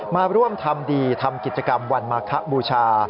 มาร่วมทำดีทำกิจกรรมวันมาคบูชา